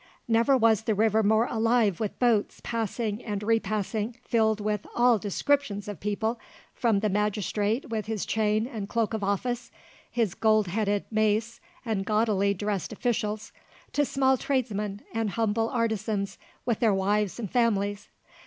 Never was the river more alive with boats passing and repassing, filled with all descriptions of people, from the magistrate with his chain and cloak of office, his gold headed mace, and gaudily dressed officials, to small tradesmen and humble artisans with their wives and families.